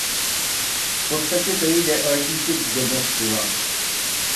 V podstatě tedy jde o jakýsi „domov piva“.